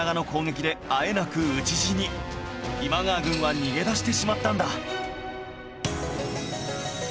今川軍は逃げ出してしまったんだ